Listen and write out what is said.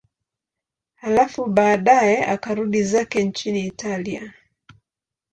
Halafu baadaye akarudi zake nchini Italia.